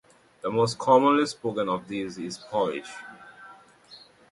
The most commonly spoken of these is Polish.